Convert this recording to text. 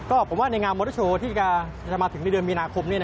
ก็ผมว่าในงานมอเตอร์โชว์ที่จะมาถึงในเดือนมีนาคม